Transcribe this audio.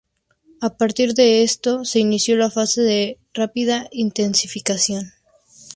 A partir de esto, se inició la fase de rápida intensificación.